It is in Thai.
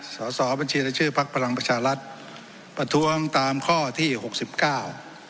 สอบบัญชีรชื่อภักดิ์พลังประชาลัทธ์ประทวงตามข้อที่หกสิบเก้า